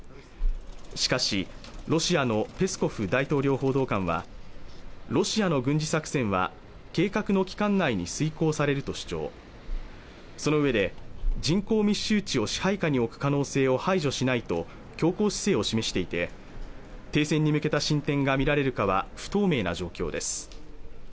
しかしロシアのペスコフ大統領報道官はロシアの軍事作戦は計画の期間内に遂行されると主張そのうえで人口密集地を支配下に置く可能性を排除しないと強硬姿勢を示していて停戦に向けた進展が見られるかは不透明な状況です